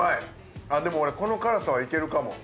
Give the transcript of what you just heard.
この辛さはいけるかも。